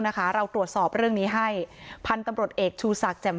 นะคะเราตรวจสอบเรื่องนี้ให้พันธุ์ตำรวจเอกชูศักดิแจ่ม